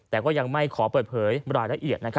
แต่ก็ยังไม่ขอเปิดเผยรายละเอียด